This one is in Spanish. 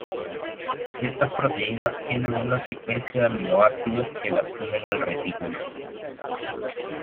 Estas proteínas tienen una secuencia de aminoácidos que las unen al retículo.